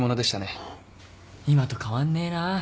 今と変わんねえな。